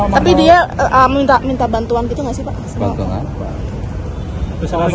tapi dia minta bantuan gitu nggak sih pak